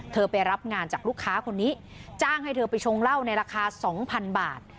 ไปรับงานจากลูกค้าคนนี้จ้างให้เธอไปชงเหล้าในราคา๒๐๐๐บาท